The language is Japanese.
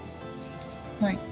はい。